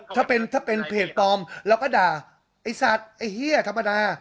ถ้าเป็นเพจปลอมเราก็ด่าไอ้สัตว์ไอ้เหี้ยธรรมดา